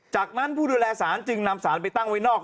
จากนั้นผู้ดูแลสารจึงนำสารไปตั้งไว้นอก